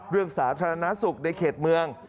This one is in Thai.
เรื่องสาธารณสุขในเขตเมือง